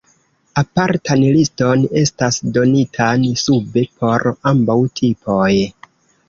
Apartan liston estas donitan sube por ambaŭ tipoj.